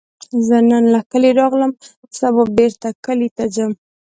زه نن له کلي راغلم، سبا بیرته کلي ته ځم